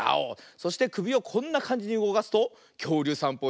そしてくびをこんなかんじにうごかすときょうりゅうさんっぽいね。